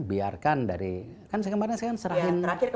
biarkan dari kan saya kemarin saya serahin